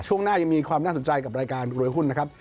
ช่วงหน้ายังมีความน่าสนใจกับรายการรวยหุ้นนะครับ